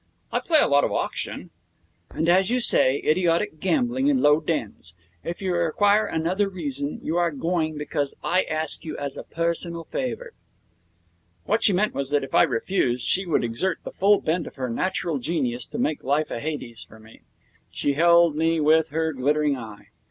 'I play a lot of auction.' 'And as you say, idiotic gambling in low dens. If you require another reason, you are going because I ask you as a personal favour.' What she meant was that, if I refused, she would exert the full bent of her natural genius to make life a Hades for me. She held me with her glittering eye.